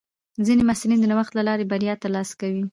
ځینې محصلین د نوښت له لارې بریا ترلاسه کوي.